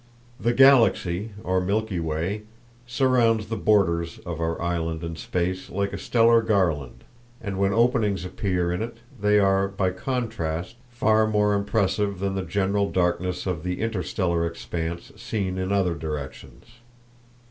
The Galaxy, or Milky Way, surrounds the borders of our island in space like a stellar garland, and when openings appear in it they are, by contrast, far more impressive than the general darkness of the interstellar expanse seen in other directions.